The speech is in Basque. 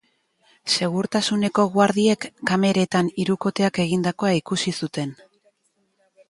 Segurtasuneko guardiek kameretan hirukoteak egindakoa ikusi zuten.